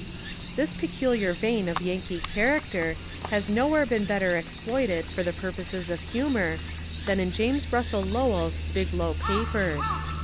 This peculiar vein of Yankee character has nowhere been better exploited for purposes of ii6 American Humour humour than in James Russell Lowell's Bil low Papers.